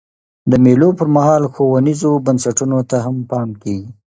د مېلو پر مهال ښوونیزو بنسټونو ته هم پام کېږي.